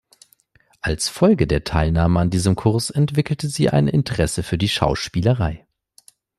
Als Folge der Teilnahme an diesem Kurs entwickelte sie ein Interesse für die Schauspielerei.